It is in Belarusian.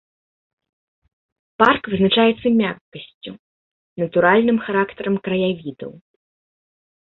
Парк вызначаецца мяккасцю, натуральным характарам краявідаў.